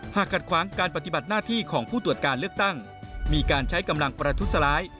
ขัดขวางการปฏิบัติหน้าที่ของผู้ตรวจการเลือกตั้งมีการใช้กำลังประทุษร้าย